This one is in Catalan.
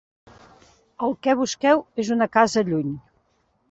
El que busqueu és una casa lluny.